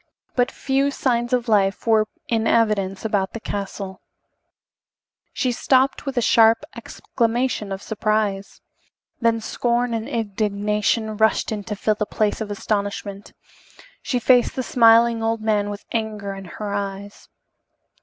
But few signs of life were in evidence about the castle. She stopped with a sharp exclamation of surprise. Then scorn and indignation rushed in to fill the place of astonishment. She faced the smiling old man with anger in her eyes.